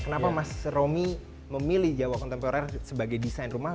kenapa mas romi memilih jawa kontemporer sebagai desain rumah